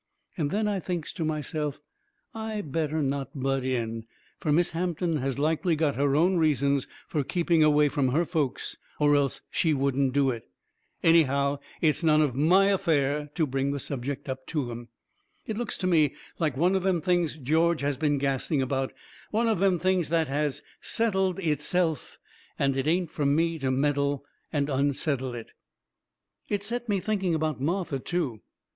And then I thinks to myself I better not butt in. Fur Miss Hampton has likely got her own reasons fur keeping away from her folks, or else she wouldn't do it. Anyhow, it's none of MY affair to bring the subject up to 'em. It looks to me like one of them things George has been gassing about one of them things that has settled itself, and it ain't fur me to meddle and unsettle it. It set me to thinking about Martha, too.